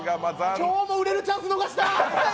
今日も売れるチャンス逃した。